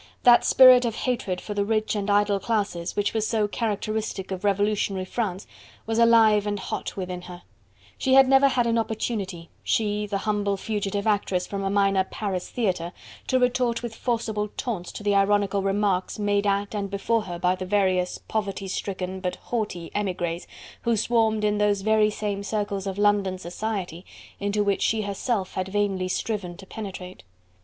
That spirit of hatred for the rich and idle classes, which was so characteristic of revolutionary France, was alive and hot within her: she had never had an opportunity she, the humble fugitive actress from a minor Paris theatre to retort with forcible taunts to the ironical remarks made at and before her by the various poverty stricken but haughty emigres who swarmed in those very same circles of London society into which she herself had vainly striven to penetrate.